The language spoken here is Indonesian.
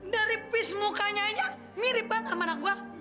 dari pis mukanya aja mirip banget sama anak gue